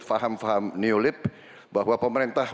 paham paham neolib bahwa pemerintah